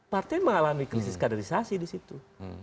parten mengalami krisis kaderisasi disitu